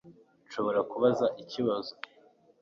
Nshobora kubaza ikibazo